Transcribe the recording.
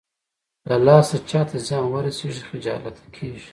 له لاسه چاته زيان ورسېږي خجالته کېږي.